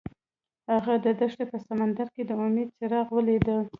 هغه د دښته په سمندر کې د امید څراغ ولید.